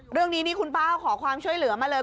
เรื่องนี้นี่คุณป้าขอความช่วยเหลือมาเลย